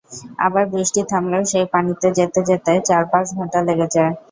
আবার বৃষ্টি থামলেও সেই পানি যেতে যেতে চার-পাঁচ ঘণ্টা লেগে যায়।